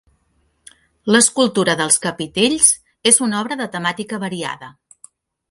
L'escultura dels capitells és una obra de temàtica variada.